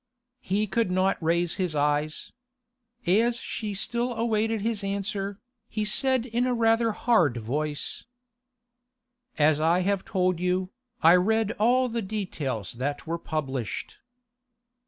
He could not raise his eyes. As she still awaited his answer, he said in rather a hard voice: 'As I have told you, I read all the details that were published.